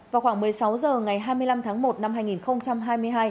vào khoảng một mươi sáu h ngày hai mươi năm tháng một năm hai nghìn hai mươi hai